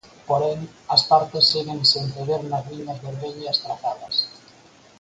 Porén, as partes seguen sen ceder nas liñas vermellas trazadas.